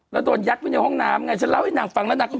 แล้วโดนยัดไว้ในห้องน้ำไงฉันเล่าให้นางฟังแล้วนางก็